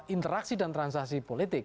interaksi dan transaksi politik